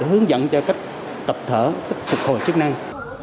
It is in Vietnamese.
hướng dẫn cho cách tập thở cách phục hồi chức năng